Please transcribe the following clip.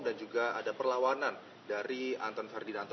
dan juga ada perlawanan dari anton ferdinando